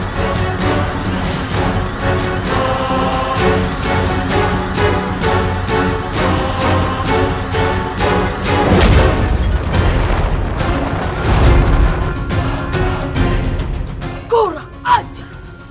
kau orang aja